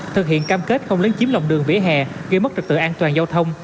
thực hiện cam kết không lấn chiếm lòng đường vỉa hè gây mất trật tựa an toàn giao thông